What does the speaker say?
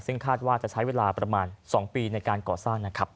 ซึ่งคาดว่าจะใช้เวลาประมาณ๒ปีในการก่อสร้างนะครับ